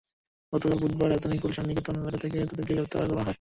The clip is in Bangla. গতকাল বুধবার রাজধানীর গুলশানের নিকেতন এলাকা থেকে তাঁদের গ্রেপ্তার করা হয়।